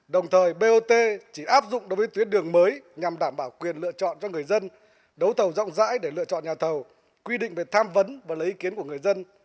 đồng thời bot chỉ áp dụng đối với tuyến đường mới nhằm đảm bảo quyền lựa chọn cho người dân đấu thầu rộng rãi để lựa chọn nhà thầu quy định về tham vấn và lấy ý kiến của người dân